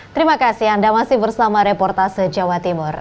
terima kasih anda masih bersama reportase jawa timur